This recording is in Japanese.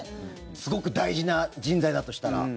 すごく大事な人材だとしたら。